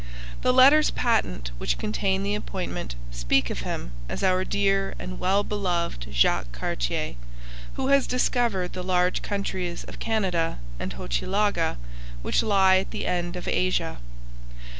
The letters patent which contain the appointment speak of him as our 'dear and well beloved Jacques Cartier, who has discovered the large countries of Canada and Hochelaga which lie at the end of Asia.'